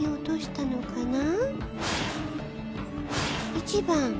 １番。